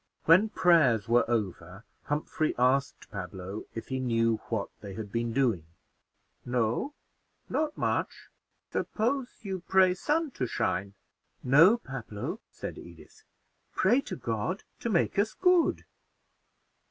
When prayers were over, Humphrey asked Pablo if he knew what they had been doing. "No, not much; suppose you pray sun to shine." "No, Pablo," said Edith, "pray to God to make us good."